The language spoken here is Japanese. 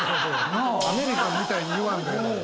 アメリカンみたいに言わんで。